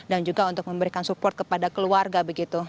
dan juga untuk memberikan support kepada keluarga begitu